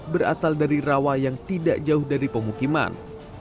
berasal dari rawa yang tidak jauh dari pemukiman